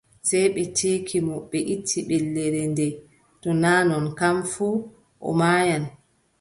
Sey ɓe ceeka mo ɓe itta ɓellere ndee, to naa non kam fuu, o maayan.